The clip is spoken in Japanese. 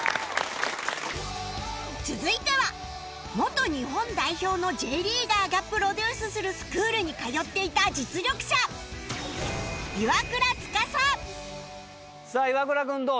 続いては元日本代表の Ｊ リーガーがプロデュースするスクールに通っていた実力者さあ岩倉君どう？